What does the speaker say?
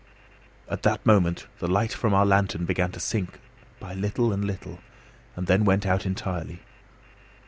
At that moment the light from our lantern began to sink by little and little, and then went out entirely.